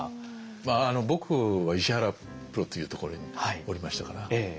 僕は石原プロというところにおりましたから。